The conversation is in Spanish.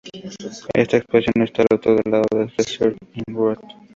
Esta expansión está al otro lado de Desert Inn Road.